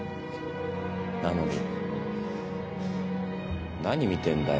なのに何見てんだよ